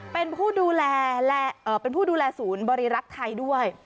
เป็นผู้ดูแลและเป็นผู้ดูแลศูนย์บริรักษ์ไทยด้วย